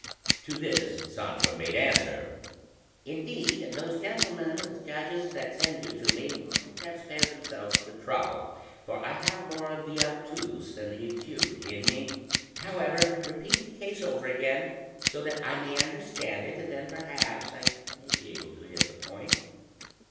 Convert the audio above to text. To this Sancho made answer: "Indeed, those gentlemen the judges that send you to me might have spared themselves the trouble, for I have more of the obtuse than the acute in me; however, repeat the case over again so that I may understand it, and then perhaps I may be able to hit the point."